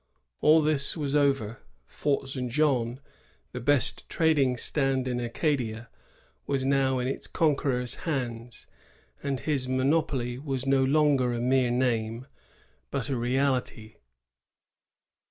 All this was over; Fort St. Jean, the best trading stand in Acadia, was now in its conqueror's hands ; and his monopoly was no longer a mere name, but a reality.